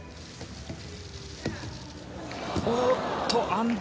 おっと。